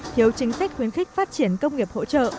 thiếu chính sách khuyến khích phát triển công nghiệp hỗ trợ